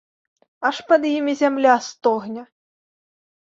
Аж пад імі зямля стогне!